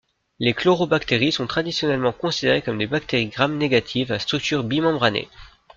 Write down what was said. Les chlorobactéries sont traditionnellement considérées comme des bactéries Gram négative à structure bimembranée.